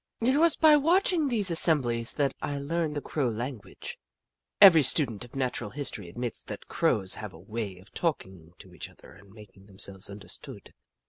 It was by watching these assemblies that I learned the Crow language. Every student of Natural History admits that Crows have a way of talking to each other and making them selves understood.